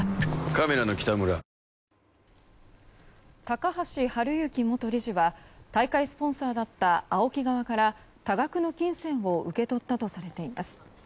高橋治之元理事は大会スポンサーだったＡＯＫＩ側から多額の金銭を受け取ったとされています。